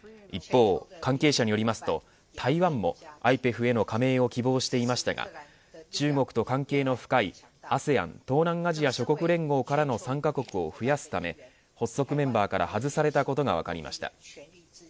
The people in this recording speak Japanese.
一方、関係者によりますと台湾もＩＰＥＦへの加盟を希望していましたが中国と関係の深いＡＳＥＡＮ東南アジア諸国連合からの参加国を増やすため発足メンバーから外されたことが分かりました。